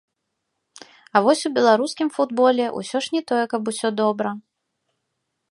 А вось у беларускім футболе ўсё ж не тое, каб усё добра.